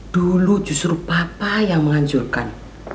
dulu justru papa yang menghancurkan